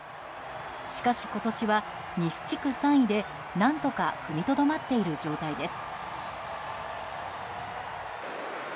しかし、今年は西地区３位で何とか踏みとどまっている状態です。